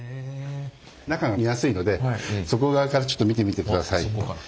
中が見やすいので底側からちょっと見てみてください。